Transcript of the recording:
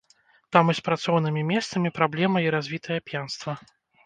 Там і з працоўнымі месцамі праблема і развітае п'янства.